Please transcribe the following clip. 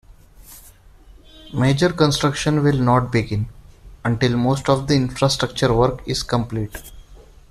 Major construction will not begin until most of the infrastructure work is complete.